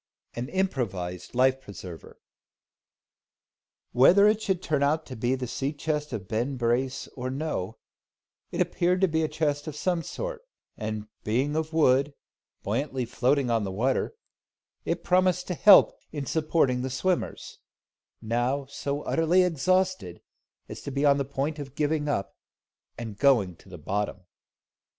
AN IMPROVISED LIFE PRESERVER. Whether it should turn out to be the sea chest of Ben Brace or no, it appeared to be a chest of some sort; and, being of wood, buoyantly floating on the water, it promised to help in supporting the swimmers, now so utterly exhausted as to be on the point of giving up, and going to the bottom.